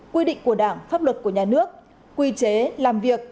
quy định của đảng pháp luật của nhà nước quy chế làm việc